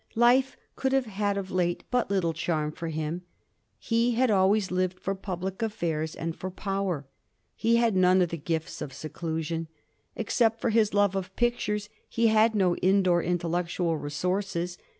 Life could have had of late but little charm for him. He had always lived for public affairs and for power. He had none of the gifts of seclusion. Except for his love of pictures, he had no in door intellectual re sources.